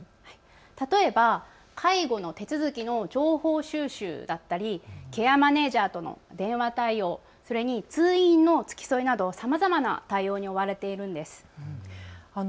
例えば介護の手続きの情報収集だったりケアマネージャーとの電話対応、それに通院の付き添いなどさまざまな対応に追われているんです。